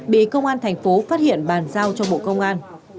bị công an thành phố phát hiện bàn giao cho bộ công an